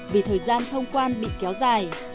vì thời gian thông quan bị kéo dài